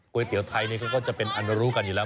ก๋วยเหนียวไทยนี่ก็จะเป็นอันรู้กันอยู่แล้ว